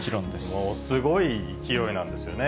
もうすごい勢いなんですよね。